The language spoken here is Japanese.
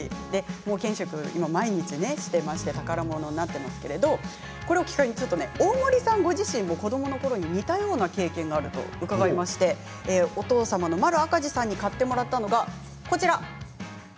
賢秀君、毎日していまして宝物になっていますけれどもこれを機会に大森さんご自身も子どものころに似たような経験があると伺いまして、お父様の麿赤兒さんに買ってもらったのがこちら。